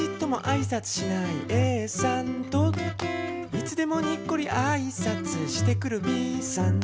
「いつでもにっこりあいさつしてくるＢさん」